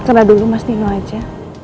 karena dulu mas dino aja